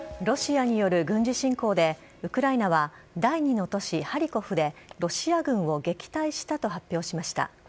ロシアによる軍事侵攻で、ウクライナは、第２の都市ハリコフで、ロシア軍を撃退したと発表しました。